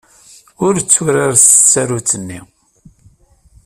Ur tturar s tsarut-nni!